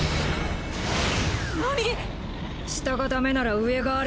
下がだめなら上がある。